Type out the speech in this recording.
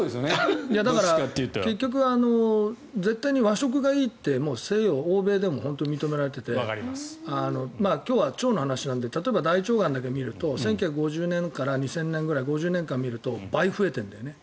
だから、結局絶対に和食がいいって西洋、欧米でも認められていて今日は腸の話なので例えば大腸がんだけ見ると１９５０年から２０００年ぐらいの５０年を見ると倍増えているんだよね。